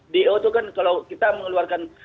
do itu kan kalau kita mengeluarkan